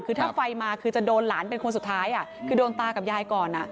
คือถ้าไฟมาคือจะโดนหลานเป็นคนสุดท้ายคือโดนตากับยายก่อน